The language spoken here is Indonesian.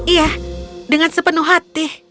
iya dengan sepenuh hati